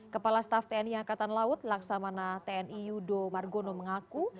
kepala staf tni angkatan laut laksamana tni yudo margono mengaku